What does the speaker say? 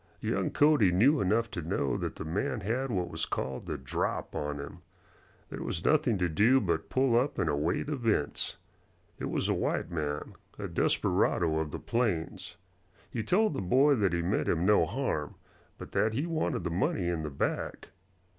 Young Cody knew enough to know that the man had what was called the "drop" on him. There was nothing to do but pull up and await events. It was a white man a desperado of the plains. He told the boy that he meant him no harm, but that he wanted the money in the bag.